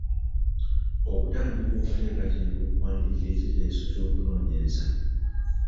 Okutandika okuteekateeka okuwandiika ekiteeso ky’okunoonyereza.